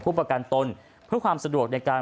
ประกันตนเพื่อความสะดวกในการ